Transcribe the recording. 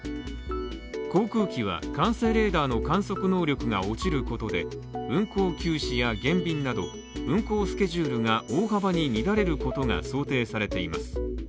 航空機は管制レーダーの観測能力が落ちることで、運航休止や減便など、運航スケジュールが大幅に乱れることが想定されています